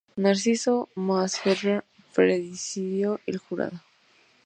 Narciso Masferrer presidió el jurado.